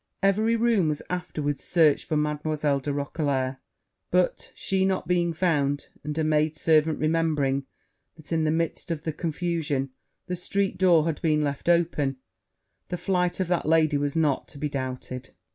Every room was afterwards searched for Mademoiselle de Roquelair; but she not being found, and a maid servant remembering that, in the midst of the confusion, the street door had been left open, the flight of that lady was not to be doubted.